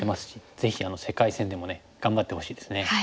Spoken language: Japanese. ぜひ世界戦でも頑張ってほしいですね。